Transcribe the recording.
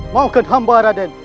mauken hamba raden